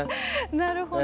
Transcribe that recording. なるほど。